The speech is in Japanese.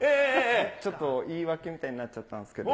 ちょっと言い訳みたいになっちゃったんですけど。